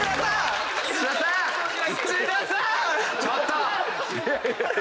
ちょっと！